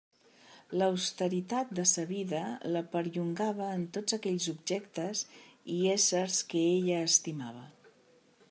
L'austeritat de sa vida la perllongava en tots aquells objectes i éssers que ella estimava.